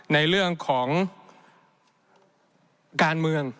ในเรื่องของการเมือง